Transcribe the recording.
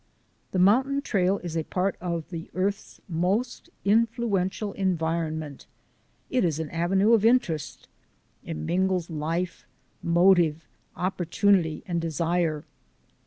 The mountain trail is a part of the earth's most influential environment. It is an avenue of in terest. It mingles life, motive, opportunity, and desire.